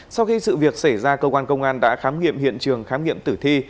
sau khi sự việc xảy ra cơ quan công an đã khám nghiệm hiện trường khám nghiệm tử thi